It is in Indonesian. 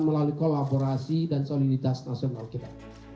melalui kolaborasi dan soliditas nasional kita